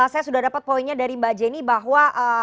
saya sudah dapat poinnya dari mbak jenny bahwa